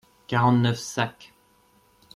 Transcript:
Quarante-neuf sacs.